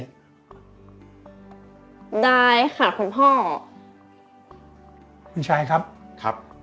ได้ค่ะคุณพ่อคุณชายครับครับ